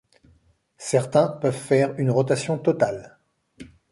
Certains peuvent faire une rotation totale.